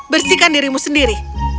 bersihkan dirimu sendiri